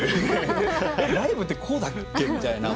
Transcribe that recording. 「ライブってこうだっけ？」みたいな。